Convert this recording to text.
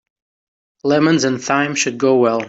Lemons and thyme should go well.